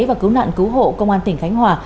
và cứu nạn cứu hộ công an tỉnh khánh hòa